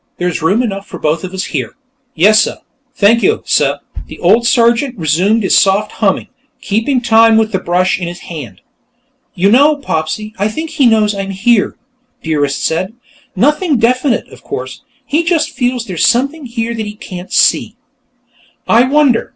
There's room enough for both of us here." "Yessuh; thank yo', suh." The old ex sergeant resumed his soft humming, keeping time with the brush in his hand. "You know, Popsy, I think he knows I'm here," Dearest said. "Nothing definite, of course; he just feels there's something here that he can't see." "I wonder.